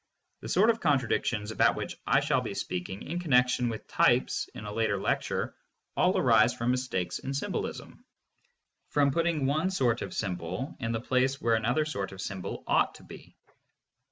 The sort of con tradictions about which I shall be speaking in connection with types in a later lecture all arise from mistakes in sym bolism, from putting one sort of symbol in the place where another sort of symbol ought to be.